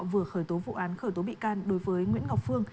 vừa khởi tố vụ án khởi tố bị can đối với nguyễn ngọc phương